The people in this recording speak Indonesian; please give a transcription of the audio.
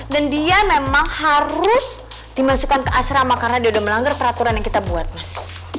dan dia memang harus dimasukkan ke asrama karena dia udah melanggar peraturan yang kita buat mas